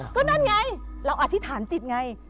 ก็นั่นไงเราอธิษฐานจิตไง